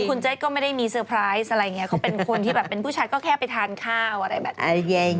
คุณเจ๊ก็ไม่ได้มีเซอร์ไพรส์อะไรอย่างนี้เขาเป็นคนที่แบบเป็นผู้ชายก็แค่ไปทานข้าวอะไรแบบนี้